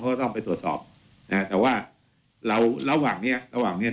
ก็ต้องไปตรวจสอบนะฮะแต่ว่าเราระหว่างเนี้ยระหว่างเนี้ย